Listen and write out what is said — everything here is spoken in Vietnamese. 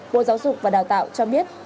bộ giáo dục và đào tạo cho biết